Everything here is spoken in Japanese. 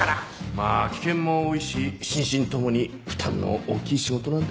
まあ危険も多いし心身共に負担の大きい仕事なんだ。